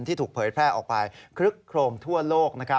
ถูกเผยแพร่ออกไปคลึกโครมทั่วโลก